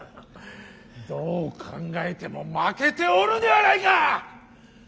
どう考えても負けておるではないか！